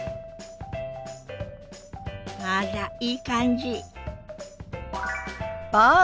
あらいい感じ。